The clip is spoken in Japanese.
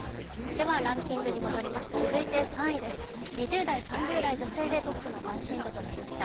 ではランキングに戻ります続いて３位です、２０代、３０代女性でトップの関心度となりました。